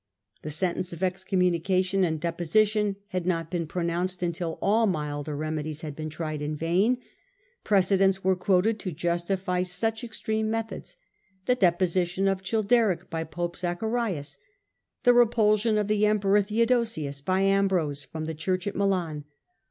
The sentence of excom munication and deposition had not been pronounced until all milder remedies had been tried in vain; pre , cedents are quoted to justify such extreme measures — the deposition of Ohilderic by pope Zacharias, the repulsion of the emperor Theodosius by Ambrose from the church at Milan.